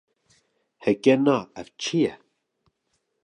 Heke na, ev çi ye?